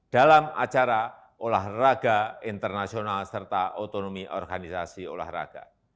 dalam acara olahraga internasional serta otonomi organisasi olahraga